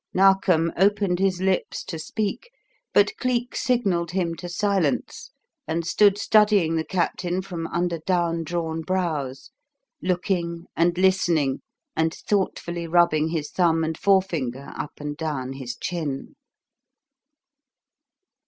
Narkom opened his lips to speak, but Cleek signalled him to silence, and stood studying the Captain from under down drawn brows, looking and listening and thoughtfully rubbing his thumb and forefinger up and down his chin.